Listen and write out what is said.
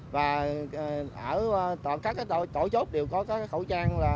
và ở tổ chốt đều có khẩu trang